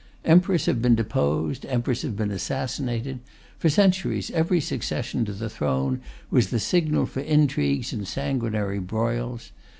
Emperors have been deposed, emperors have been assassinated; for centuries every succession to the throne was the signal for intrigues and sanguinary broils.